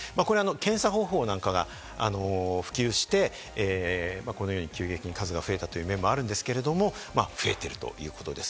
検査方法なんかも普及して、このように急激に数が増えたという面もあるんですけれども、増えているということです。